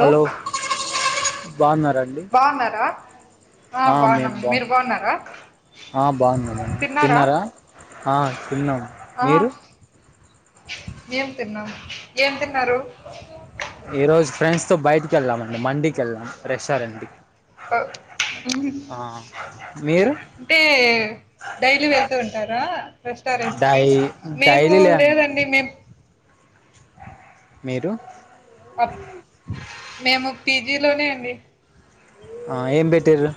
Hello బాగున్నరా బాగున్నారా ఆ మేం బాగున్నామండి మీరు బాగు బాగున్నారా ఆ బాగుంది మేడం తిన్నారా ఆ తిన్నాం మీరు ఏం తిన్నాం ఏం తిన్నారు ఈ రోజు ఫ్రెండ్స్ తో బయటికి వెళ్ళామండి మండికి వెళ్ళాం రెస్టారెంట్ కి అ మీరు అంటే డైలీ వెళ్తూ ఉంటారా! రెస్టారెంట్స్ కి డై మేము లేదండి. మేమ్ మీరు అప్ మేము పీజీ లోనే అండి. ఆ ఏం పెట్టిర్రు.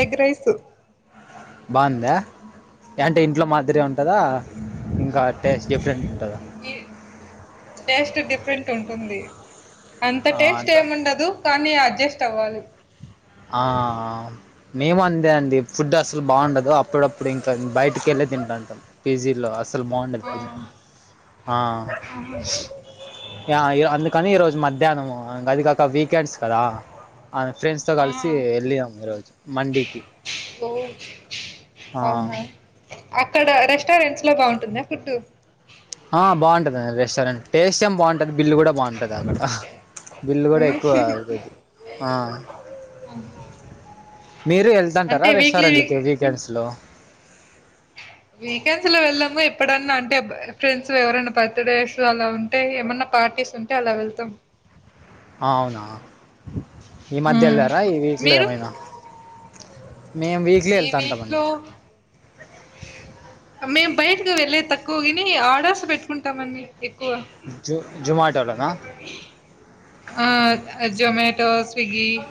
ఎగ్ రైసు బాందా ఏంటి ఇంట్లో మాదిరిగా ఉంటాదా! ఇంకా టేస్ట్ డిఫరెంట్ ఉంటదా! ఈ టేస్ట్ డిఫరెంట్ ఉంటుంది. అంత ఆ అంత టెస్టేముండదు. కనీ అడ్జస్ట్ అవ్వాలి. ఆ... వ్ మేము అంతే అండి ఫుడ్ అసలు బావుండదు. అప్పుడప్పుడు ఇంకా బయటి కెళ్ళే తింటాంటమ్ పిజీ లో అసలు ఆ బావుండదు. ఆ య అందుకని ఈ రోజు మధ్యానము అది గాక వీకెండ్స్ కదా ఆ ఫ్రెండ్స్ ఫ్రెండ్స్ తో ఆ ఆ గలిసీ ఎల్లియమ్ ఈరోజు మండికీ ఓ ఆ అవునా అక్కడ రెస్టారెంట్స్ లో బావుంటుందా! ఫుడ్ ఆ భావుంటఅది రెస్టారెంట్ టేస్టేఏం బావుంటది బిల్లు కూడా భావుంటదీ అక్కడ బిల్లు గూడ మ్మ్. ఎక్కువఐతది ఆ మీరు ఎల్తంటారా అంటే వీక్లీ వీ రెస్టారెంట్ల కి వీకెండ్స్ లో వీకెండ్స్ లో ఎళ్ళము ఎప్పుడన్నా అంటే ఫ్రెండ్స్ ఎవరైనా బర్త్ డేస్ అలా ఉంటేనే ఏమన్నా పార్టీస్ ఉంటే అలా వెళ్తమ్ ఆవునా ఈ మధ్య మ్మ్ ఎల్లార ఈ వీక్లో మీరు ఏమైనా మేం వీక్ ఈ వీక్లో మేం బయటకు వెళ్ళేది తక్కువ గని ఆడర్స్ పెట్టుకుంటామన్ని ఎక్కువ జు ఆ బస్సు జొమాటోలోనా టికెట్ వని ఆ జోమాటో స్వీట్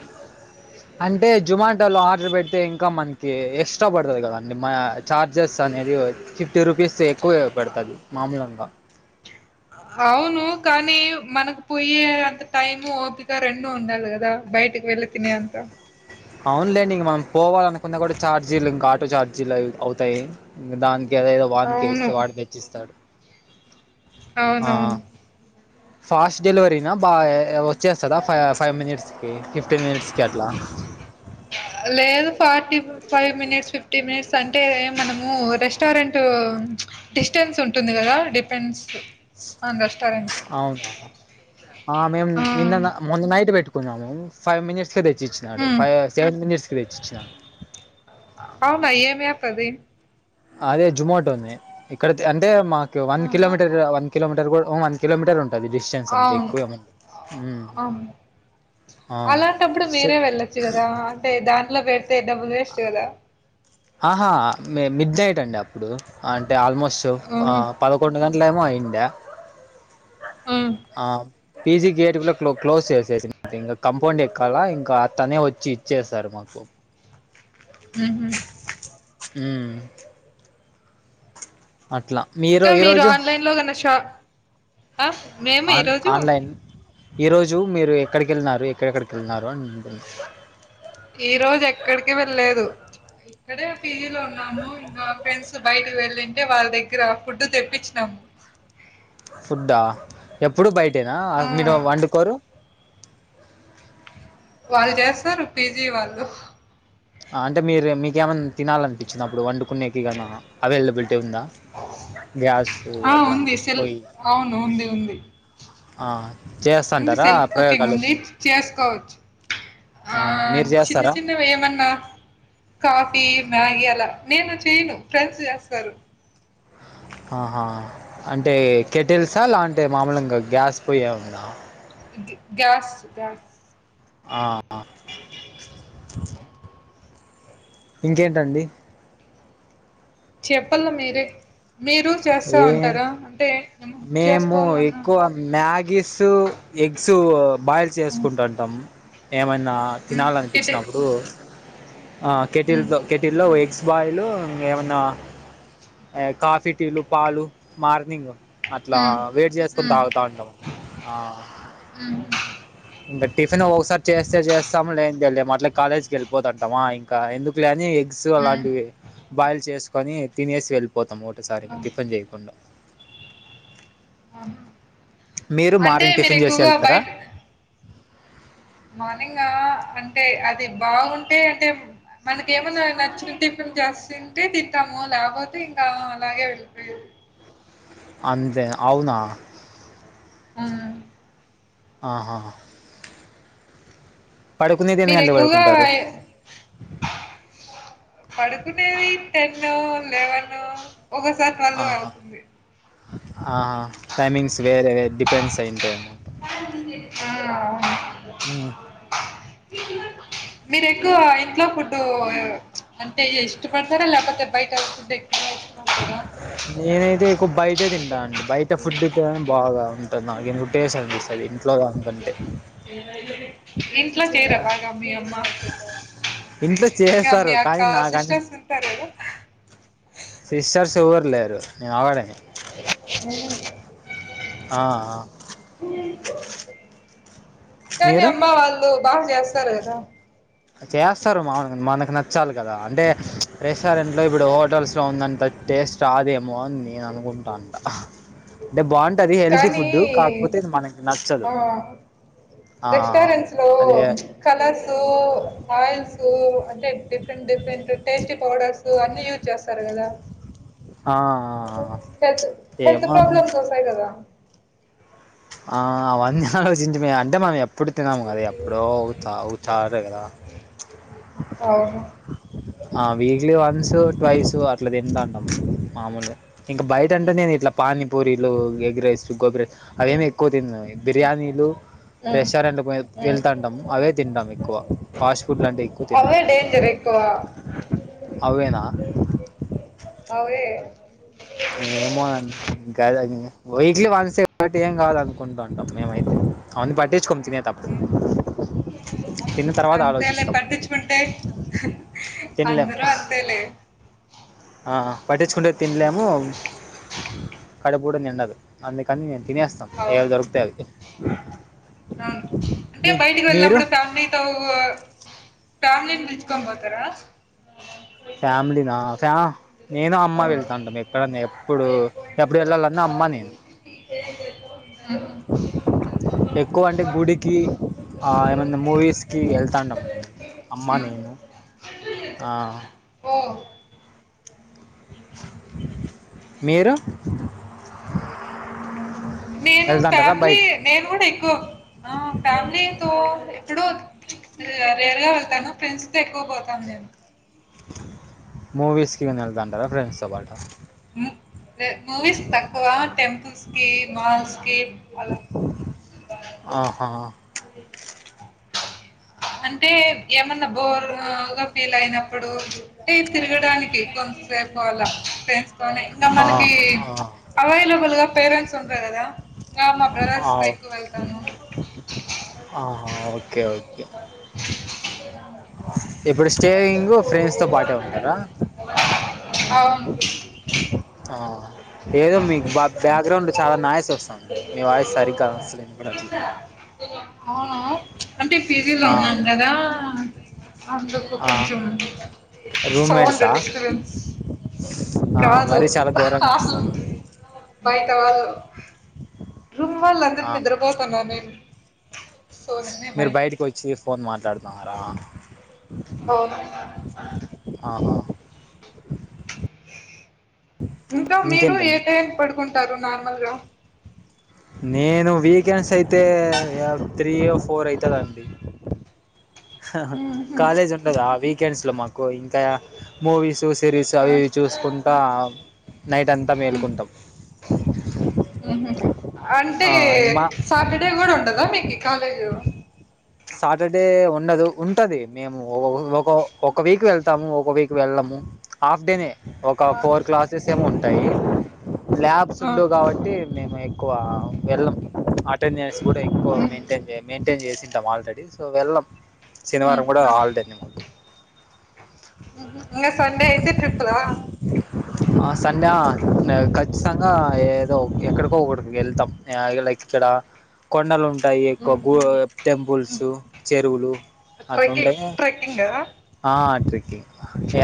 అంటే జోమాటోలో ఆర్డర్ బెడితే ఇంకా మనకి ఎక్స్ట్రా పడతది కదండి మా చార్జెస్ అనేది ఫిఫ్టీ రూపీస్ ఎక్కువగ పెడతాది మామూల్గంత అవును కానీ మనకు పోయే అంత టైం ఓపిక రెండు ఉండాలి గదా బయటకి వెళ్ తినే అంత అవునులేండి ఇంక మనం పోవాలనుకున్న గూడ ఛార్జీలు ఇంకా ఆటో ఛార్జీలు అవి ఇవి అవుతాయి. ఇంగ దానికెదేదో అవును వానికెస్తే వాడు తెచ్చిస్తాడు. ఆ ఆ అవునవును ఫాస్ట్ డెలివరీనా బా ఏ ఓ ఇచ్చేస్తద ఫై ఫైవ్ మినిట్స్కి ఫిఫ్టీన్ మినిట్స్కి అట్లా! లేదు forty five minutes fifty minutes అంటే మనము రెస్టారెంట్ డిస్టెన్స్ ఉంటుంది గదా డిపెండ్స్ ఆన్ రెస్టారెంట్ అవునా ఆ మేము నిన్ననా మొన్న నైట్ బెట్టుకున్నాము. ఫైవ్ మినిట్స్ ల తెచ్చిచ్చినాడు. హ్మ్. ఫైవ్ సెవెన్ మినిట్స్ కి తెచ్చిచ్చినాడు. అవునా ఏమ్ యాపది అదే జుమోటోనే ఇక్కడ తే అంటే మాకు వన్ ఆహా! కిలోమీటర్ వన్ కిలోమీటర్ గూడ ఊ వన్ కిలోమీటర్ ఉంటాది డిసెన్స్ అంతే అవును. ఎక్కువేం ఉండదు. మ్ అవును. అలాంటప్పుడు మీరే వెళ్ళొచ్చు గదా అంటే దాంట్ల బెడితే డబ్బులు వెస్ట్ గదా! హ హా మి మిడ్ నైట్ అండి అప్ ఇప్పుడు అంటే ఆల్మోస్ట్ హ్మ్. పదకొండు గంటలు ఏమో అయ్యండే ఆ ఆ పీజీ గేట్ కూడా క్లోజ్ చేసేసారు ఇంకా కంపౌండ్ గేట్ ఎక్కాలా ఇంకా అ తనే వచ్చి ఇచ్చేసారు మాకు ఉమ్ హా ఉమ్ అట్ల మీరో ఈ రోజో పిల్లలు ఉన్నా షాప్ ఆ మే ఆన్ ఆన్లైన్ ఈరోజు మీరు ఎక్కడికి వెళ్ళినారు ఎక్కడెక్కడికి వెళ్ళినారు అని అంటు ఈ రోజు ఎక్కడికి వెళ్ళలేదు ఇక్కడే పిజీ లో ఉన్నాము ఇంకా ఫ్రెండ్స్ బయటకి వెళ్ళింటే వాళ్ళ దగ్గర ఫుడ్ తెప్పించినాము ఫుడ్ ఆ ఎప్పుడు బయటెనా ఆ మీరు వండుకోరు వాళ్ళు చేస్తారు పీజీ వాళ్ళు ఆ అంటే మీరూ మీకేమన్ తినాలనిపించినప్పుడు వండుకునేకి గానిఅవైలబిలిటీ ఉందా గ్యాస్ ఆ ఉంది అట్లాంటి సెల్ పొయ్యి అవును ఉంది ఉంది ఆ చేస్తాంటారా ఆ ప్రయోగాలు చేసు కోవచ్చు ఆ మీరు చిన్న చేస్తారా చిన్న ఏమన్నా కాఫీ మ్యాగీ అలా నేను చెయ్యను ఫ్రెండ్స్ చేస్తారు ఆహా అంటే కెటిల్సా లాంటే మామూలుంగ గ్యాస్ పోయే ఉందా గ్యాస్ గ్యాస్ ఆ ఇంకేంటండి చెప్పాల మీరే మీరు చేస్తా ఏ ఉంటారా అంటే మనం మేము ఎక్కువ చేసుకోవాలన్నప్పుడు మ్యాగీసు ఎగ్స్ బాయిల్ చేసుకుంటుంటాం ఏమన్న హ్మ్ టిటి తినాలనిపించినప్పుడు ఆ హ్మ్. కెటిల్తో కెటిల్లో ఓ ఎగ్స్ బాయిలు ఇంకా ఏమన్నా కాఫీ టీలు పాలు మార్నింగ్ అట్లా హ్మ్. వేడి చేసుకొని హ్మ్. తాగుతా ఉంటాము అండి ఆ [inaudible] ఇంకా టిఫిన్ ఒకసారి చేస్తే చేస్తాం లేదంటే లేదు అట్లా కాలేజ్కి వెళిపోతుంటామా ఇంకా ఎందుకు లే అని సో హ్మ్. అలాంటివి బాయిల్ చేసుకొని తినేసి వెళ్ళిపోతాం ఒకటేసారి ఆహ్! టిఫిన్ చేయకుండా ఆహా! మీరు అంటే మార్నింగ్ మీరు టిఫిన్ చేసి ఎక్కువగా వెళ్తారా మార్నింగ్ ఆ అంటే అది బాగుంటే అంటే మనకేమున్నాది నచ్చిన టిఫిన్ చేస్తుంటే తింటాము లేకపోతే ఇంకా అలాగే ఆమ్ హా అంతే అవునా హమ్ ఆహాహ పడుకునేది ఎన్ని గంటలు మీరేక్కువగా పడుకుంటారు యై పడుకునేది టెను లెవెనూ ఒక్కక్కసారి ట్వెల్వ్ అవుతుంది ఆ టైమింగ్స్ వేరే డిపెండ్స్ అయ్యుంటాయి ఏమో ఆ మీరు ఎక్కువ ఇంట్లో ఫుడ్డు అంటే ఇస్టపడతారా లేకపోతే బయట నేనైతేక్కువ బయటే తింటా అండి బయట ఫుడ్ తోనే బాగా ఉంటది నాకెన్ టెస్ అనిపిస అది ఇంట్లోగాన్ కంటే ఇంట్లో చేయ్యరా బాగ మీ అమ్మ ఫుడ్ ఇంట్లో ఇంగ చేస్తారు మీ కానీ అక్కా నాకని సిస్టర్స్ ఉంటారు కదా సిస్టర్స్ ఎవ్వరు లేరు నేను అవరే హ ఆ ఆ కానీ అమ్మ వాళ్ళు బాగ చేస్తారు కదా చేస్తారు మామగా మనకు నచ్చాలి కదా అంటే రెస్టారెంట్లు ఇప్పుడు హోటల్స్ ఇంట్లో ఉన్నంత టేస్ట్ రాదేమో అని నేను అనుకుంటాంట అంటే బాగుంటది హెల్తీ కానీ ఫుడ్ కాకపోతే ఇది మనకి నచ్చదు ఆ ఆ రెస్టారెంట్స్ లో అదే కలర్సు ఆయిల్స్ టె డిఫరెంట్ డిఫరెంట్ టేస్టీ పౌడర్స్ అన్ని యూజ్ చేస్తారు కదా ఆ హెల్త్ హెల్త్ ఏమో అండి ప్రాబ్లమ్స్ వస్తాయి కదా ఆ అవన్నీ ఆలోచించి అంటే మం ఎ ఎప్పుడు తిన్నాము కదా ఎప్పుడో చా చాల కదా అవును ఆ వీక్లీ వన్సు ట్వైస్ అట్ల తింటాంటం మామూలు ఇంకా బయట అంటే హ్మ్. నేను ఇట్లా పానీపూరిలు ఎగ్ రైస్ గోబీ రైస్ హ్మ్. అవేమి ఎక్కువ తిన్న ఈ బిర్యానీలు హ్మ్. రెస్టారెంట్లకు హ్మ్. వెళ్తాంటం అవే తింటం ఎక్కువ ఫాస్ట్ ఫుడ్ అంటే ఎక్కువ తిన్నం టె డేంజర్ ఎక్కువా అవేనా అవే ఏమో అన్ ఇంగ అదే దింకా వీక్లీ వన్స్ ఏం కావాల అనుకుంటాంటాం మేమైతే అని పట్టే చోమ్ తినేద్దాం ఉమ్, అంతేలే పట్టించుకుంటే అందరూ అంతేలే అహ పట్టించుకుంటే తినలేము కడుపు కూడా నిండదు అందుకని నేన్ తినేస్తాం ఎద్ దొరుకుతె అది అవున్ అంటే బయటికి వెళ్ళనప్పుడు ఫ్యామిలీ తో ఫ్యామిలీని పిలుచుకొని పోతారా ఫ్యామిలీ నా ఫ్యా నేను అమ్మ ఆ, వెళ్తాంటం ఎక్కడ ఎప్పుడు ఎప్పుడు వెళ్ళాలన్నా అమ్మ నేను ఇకే ఎక్కువ అంటే గుడికి ఆ ఏమన మూవీస్ కి వెళ్తాంటమండి అమ్మ ఉమ్, నేను ఆ ఉ మీరు నేను వెళ్తాంటారా ఫ్యామిలీ బయటికి నేను కూడా ఎక్కువ్ ఆ ఫ్యామిలీతో ఎక్కడో రేర్గా వెళ్తాను ఫ్రెండ్స్ తో ఎక్కువ పోతాను నేను మూవీస్కిగిన వెల్తాంటారా ఫ్రెండ్స్ తో పాటు మూవీస్ తక్కువ టెంపుల్స్ కి మాల్స్ కి అలా ఆహా అంటే ఏమన్నా బోర్ గా ఫీల్ అయినప్పుడు అంటే తిరగడానికి కొంతసేపు అలా ఫ్రెండ్స్తోమనాకి ఆహా అవైలబుల్ గా పేరెంట్స్ ఉంటరు. కదా ఇగా మా బ్రదర్స్ తో ఎక్కువ వెళ్తాను అహ ఓకే ఓకే ఇప్పుడు స్టేయింగ్ ఫ్రెండ్స్ తో పాటే ఉంటారా అవును ఆ ఏదో మీకు బ్యాక్గ్రౌండ్ చాలా నాయిస్ వస్తుంది మీ వాయిస్ సరిగ్గా వస్తలేదు కూడా అట్లా అవునా అంటే పీజీలో ఆ ఉన్నాం కదా అందుకు ఆ కొంచమ్ సౌండ్ రూమ్మేట్సా డిఫరెన్స్ ఆ కాదు మరీ చాలా ఘోరంగా హాస్టల్ వస్తుంది కి బయట వాళ్ళు రూమ్ వాళ్ళు అందరు ఆహా నిద్రపోతున్నారూ నేను సో నేనే మీరు బయట బయటికి వచ్చి ఫోన్ మాట్లాడుతున్నారా అవును ఆహా ఇంకా మీరు ఏ ఇంకేంటండి టైముకి పడుకుంటారు. నార్మల్ గా నేను వీకెండ్స్ అయితే త్రీ హొ ఫోర్ అయితది అండి మ్మ్హ్మ్. కాలేజ్ ఉండద ఆ వీకెండ్స్ లో మాకు పో ఇంకా మూవీస్ సిరీస్ ఆ, అవి ఇవి చూసు కుంటా నైట్ అంతా మ్మ్, మేలుకుంటాం అంటే ఆ ఇంక మా సాటర్డే కూడా ఉంటదా మీకి కాలేజు సాటర్డే ఉండదు ఉంటది. మేము ఒక ఒక వీక్ వెళ్తాము ఒక వీక్ వెళ్ళము హాఫ్ డే ఒక ఆ, ఫోర్ క్లాసెస్ ఏమో ఉంటాయి. ల్యాబ్ బస్ ఆ, ఉండవు కాబట్టి మేము ఎక్కువ వెళ్ళం అటెండేస్ కూడా ఎక్కువ మ్మ్, నేన్ మెయింటైన్ చేసింటాం ఆల్రెడీ సో వెళ్ళాం మ్మ్, శనివారం మ్మ్. కూడా ఆల్డేనె మాకు ఇగా సండే అయితే ట్రిప్లా ఆ సండే ఖచ్చితంగా ఏదో ఎక్కడికో ఒకడికి వెళ్తాం లైక్ ఇక్కడ కొండలు ఉంటాయి. ఎక్కువ మ్మ్, గో టెంపుల్స్ మ్మ్. చెరువులు అట్లాంటే ట్రెక్కింగ్ ట్రెక్కింగ్ ఆ ఆ ట్రెక్కింగ్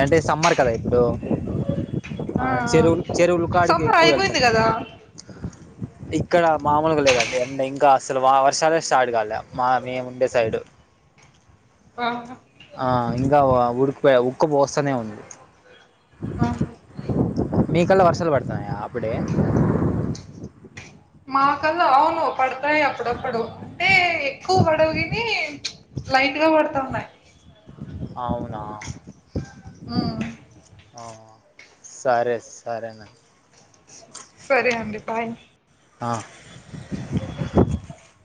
అంటే సమ్మర్ కదా ఇప్పుడు ఆ చెరువులు చెరువులు కాడికి సమ్మర్ ఎక్కువ అయిపోయింది వెళ్తుంటాం కదా ఇక్కడ మామూలుగా లేదండి అంటె ఇంకా అసలు వర్షాలే స్టార్ట్ కాలే మా మేము డిసైడు ఆ ఆ ఇంకా ఉడికిపోయ ఉక్కపోస్తనే ఉంటుది ఆ మీ కల్లా వర్షాలు పడుతున్నాయా అప్పుడే మాక ల్లా అవును పడతాయి అప్పుడప్పుడు అంటే ఎక్కువ పడవు కాని లైట్ గా పడుతాంది అండి అవునా హ్ సరే సరేనండి సరే అండి బాయ్ ఆ అ